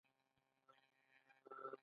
باران د رحمت اوبه دي